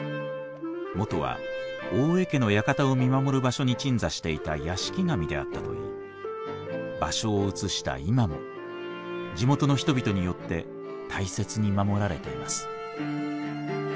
元は大江家の館を見守る場所に鎮座していた屋敷神であったといい場所を移した今も地元の人々によって大切に守られています。